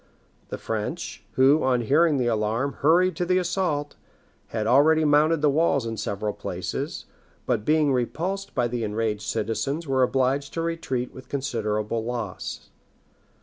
The French, who, on hearing the alarm hurried to the assault, had already mounted the walls in several places; but being repulsed by the enraged citizens were obliged to retreat with considerable loss.